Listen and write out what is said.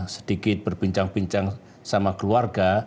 sedikit berbincang bincang sama keluarga